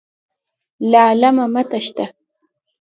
له علمه مه تښته.